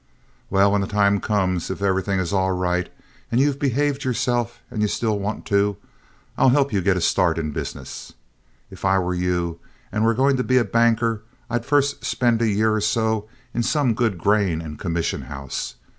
"Well, when the time comes, if everything is all right and you've behaved yourself and you still want to, I'll help you get a start in business. If I were you and were going to be a banker, I'd first spend a year or so in some good grain and commission house.